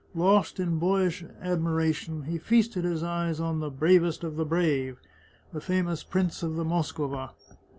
Lost in boyish admiration, he feasted his eyes on the " bravest of the brave," the fa mous Prince of the Moskowa.